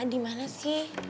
di mana sih